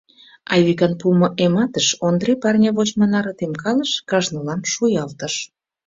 Айвикан пуымо эм атыш Ондре парня вочмо наре темкалыш, кажнылан шуялтыш.